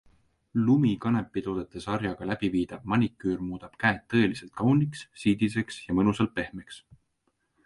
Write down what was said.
LUMI kanepitoodete sarjaga läbiviidav maniküür muudab käed tõeliselt kauniks, siidiseks ja mõnusalt pehmeks.